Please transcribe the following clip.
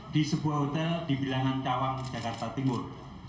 di sebuah hotel di bilangan cawang jakarta timur